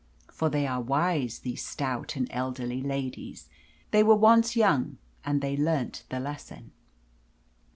For they are wise, these stout and elderly ladies. They were once young, and they learnt the lesson.